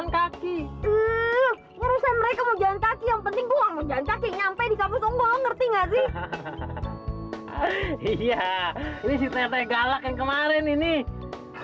tapi ngayaknya sih kadang referenced nih